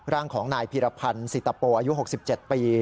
ร่างของนายพีรพันธ์สิตโปอายุ๖๗ปี